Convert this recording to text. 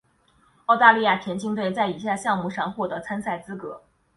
澳大利亚田径队在以下项目上获得参赛资格。